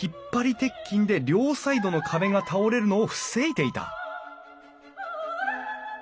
鉄筋で両サイドの壁が倒れるのを防いでいた！